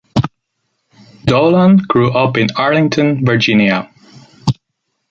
Dolan grew up in Arlington, Virginia.